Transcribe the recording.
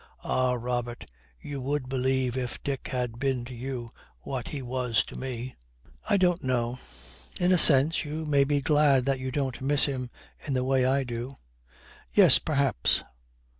'Ah, Robert, you would believe if Dick had been to you what he was to me.' 'I don't know.' 'In a sense you may be glad that you don't miss him in the way I do.' 'Yes, perhaps.'